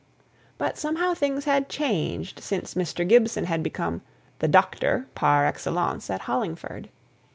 But somehow things had changed since Mr. Gibson had become "the doctor" par excellence at Hollingford.